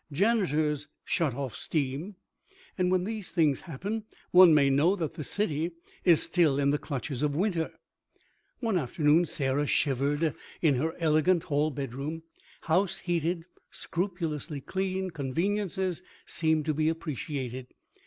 Janitors shut off steam. And when these things happen one may know that the city is still in the clutches of winter. One afternoon Sarah shivered in her elegant hall bedroom; "house heated; scrupulously clean; conveniences; seen to be appreciated."